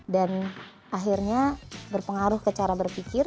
akhirnya berpengaruh ke cara berpikir